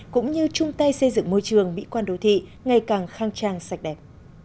cũng như chung tay xây dựng môi trường mỹ quan đô thị ngày càng khang trang sạch đẹp